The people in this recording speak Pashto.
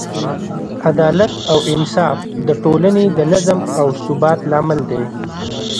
عدالت او انصاف د ټولنې د نظم او ثبات لامل دی.